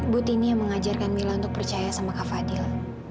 bu tini yang mengajarkan mila untuk percaya sama kak fadil